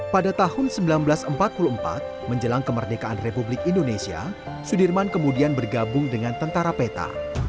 pada tahun seribu sembilan ratus empat puluh empat menjelang kemerdekaan republik indonesia sudirman kemudian bergabung dengan tentara peta